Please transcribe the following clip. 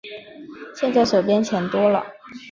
现在手边钱多了